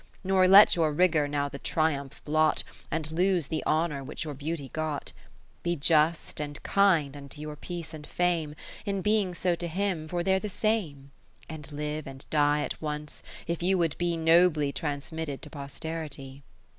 Nor let your rigour now the triumph blot. And lose the honour which your beauty got. Be just and kind unto your peace and fame, In being so to him, for they're the same : And live and die at once, if you would be Nobly transmitted to posterity.